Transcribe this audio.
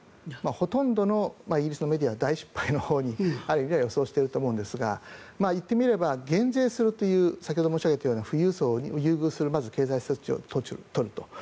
ほとんどのイギリスのメディアは大失敗のほうにある意味では予想していると思うんですが言ってみれば減税するという先ほど申し上げたような富裕層を優遇する政策を取ると。